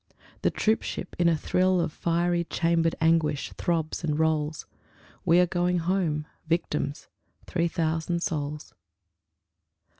The troop ship, in a thrill Of fiery chamber'd anguish, throbs and rolls. We are going home ... victims ... three thousand souls.